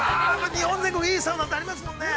日本全国いいサウナってありますもんね。